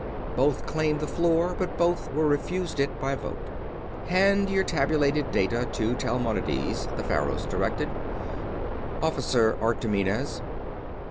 Both claimed the floor, but both were refused it by vote. "Hand your tabulated data to Talmonides," the Faros directed. "Officer Artomenes?"